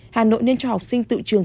hà nội nên cho học sinh tự trường